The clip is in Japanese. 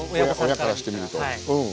親からしてみるとうん。